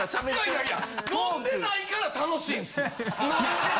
いやいや飲んでないから楽しいんっすよ！